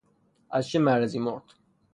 از چه مرضی مرد؟